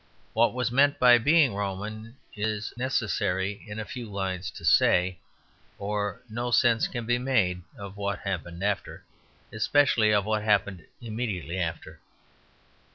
What was meant by being Roman it is necessary in a few lines to say, or no sense can be made of what happened after, especially of what happened immediately after.